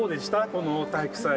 この体育祭。